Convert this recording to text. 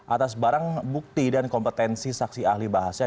atas barang bukti dan kompetensi saksi ahli bahasa